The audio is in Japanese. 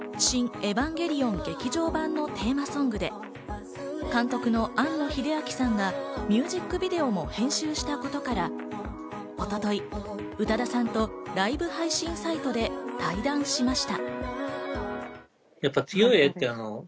エヴァンゲリオン劇場版』のテーマソングで、監督の庵野秀明さんがミュージックビデオも編集したことから、一昨日、宇多田さんとライブ配信サイトで対談しました。